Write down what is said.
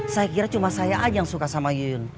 saya kira cuma saya aja yang suka sama yuyun